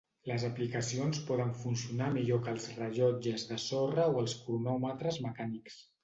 Les aplicacions poden funcionar millor que els rellotges de sorra o els cronòmetres mecànics.